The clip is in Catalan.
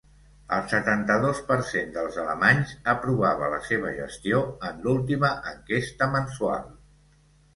El setanta-dos per cent dels alemanys aprovava la seva gestió en l’última enquesta mensual.